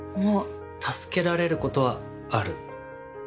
助けられることはある。